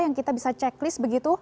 yang kita bisa checklist begitu